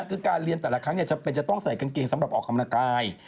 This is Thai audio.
คือการเรียนแต่ละครั้งจำเป็นจะต้องใส่กางเกงสำหรับออกกำลังกาย